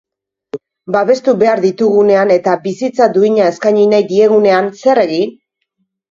Babestu behar ditugunean eta bizitza duina eskaini nahi diegunean, zer egin?